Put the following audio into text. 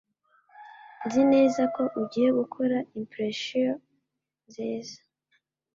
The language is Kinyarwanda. Nzi neza ko ugiye gukora impression nziza.